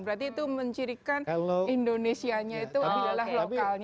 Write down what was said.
berarti itu mencirikan indonesia nya itu adalah lokalnya